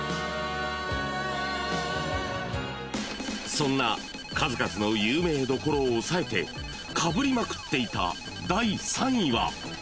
［そんな数々の有名どころを抑えてかぶりまくっていた第３位は］